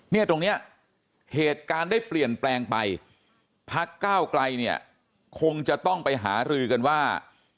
เนี่ยตรงเนี้ยเหตุการณ์ได้เปลี่ยนแปลงไปพักก้าวไกลเนี่ยคงจะต้องไปหารือกันว่า